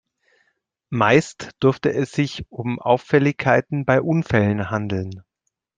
Meist dürfte es sich um Auffälligkeiten bei Unfällen handeln.